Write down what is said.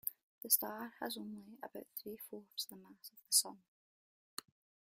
The star has only about three-fourths the mass of the Sun.